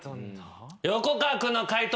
横川君の解答